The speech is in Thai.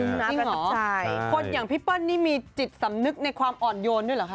ประทับใจคนอย่างพี่เปิ้ลนี่มีจิตสำนึกในความอ่อนโยนด้วยเหรอคะ